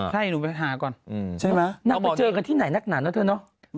ฉะนั้นหนูไปหาก่อนใช่มะนั่งไปเจอกันที่ไหนหนักหนาเนอะตัวเนาะ